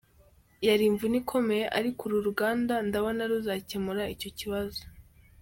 Yari imvune ikomeye, ariko uru ruganda ndabona ruzakemura icyo kibazo.